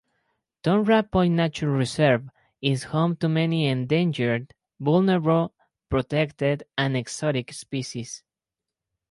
Towra Point Nature Reserve is home to many endangered, vulnerable, protected and exotic species.